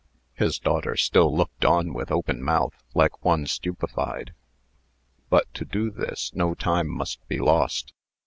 His daughter still looked on with open mouth, like one stupefied. "But, to do this, no time must be lost.